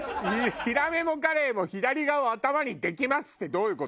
「ヒラメもカレイも左側を頭にできます」ってどういう事？